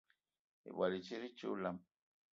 Ibwal i tit i ti olam.